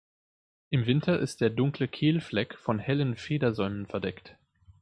Im Winter ist der dunkle Kehlfleck von hellen Federsäumen verdeckt.